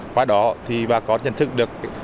qua đó thì bà con nhận thức được